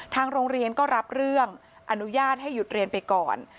ทางโรงเรียนก็รับเรื่องอนุญาตให้หยุดเรียนไปก่อน